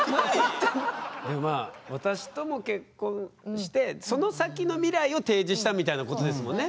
でもまあ私とも結婚してその先の未来を提示したみたいなことですもんね。